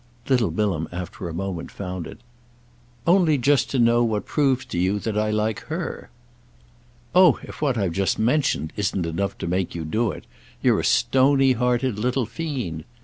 Little Bilham after a moment found it. "Only just to know what proves to you that I like her." "Oh if what I've just mentioned isn't enough to make you do it, you're a stony hearted little fiend.